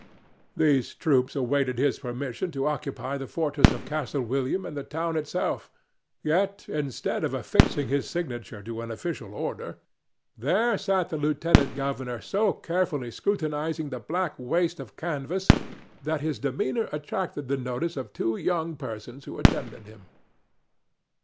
These troops awaited his permission to occupy the fortress of Castle William and the town itself, yet, instead of affixing his signature to an official order, there sat the lieutenant governor so carefully scrutinizing the black waste of canvas that his demeanor attracted the notice of two young persons who attended him.